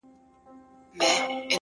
• مُلا په ولاحول زموږ له کوره وو شړلی,